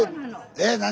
え何？